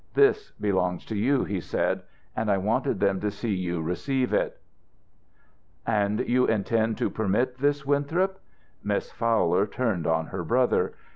"This belongs to you," he said, "and I wanted them to see you receive it." "And you intend to permit this, Winthrop?" Miss Fowler turned on her brother.